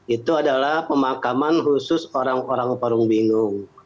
itu adalah pemakaman khusus orang orang parung bingung